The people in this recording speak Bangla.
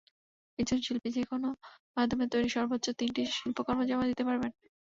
একজন শিল্পী যেকোনো মাধ্যমে তৈরি সর্বোচ্চ তিনটি শিল্পকর্ম জমা দিতে পারবেন।